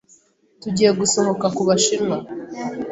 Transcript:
Tugiye gusohoka kubashinwa.